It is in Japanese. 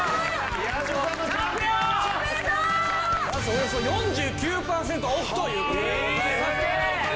およそ４９パーセントオフという事でございます。